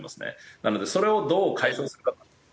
なのでそれをどう解消するか。